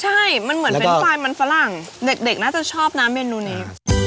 ใช่มันเหมือนเป็นไฟล์มันฝรั่งเด็กน่าจะชอบนะเมนูนี้